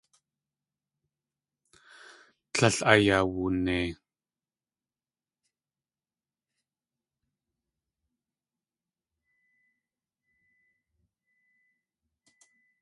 Tlél ayawunei.